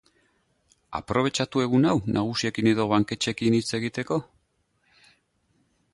Aprobetxatu egun hau nagusiekin edo banketxeekin hitz egiteko?